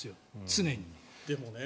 常に。